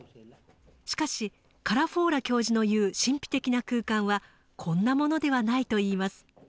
しかしカラフォーラ教授の言う神秘的な空間はこんなものではないといいます。